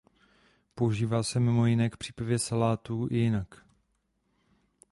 Používá se mimo jiné k přípravě salátů i jinak.